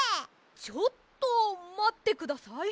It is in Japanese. ちょっとまってください！